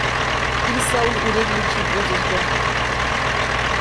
Ил савли урегличиб бузес бехӀбирхьур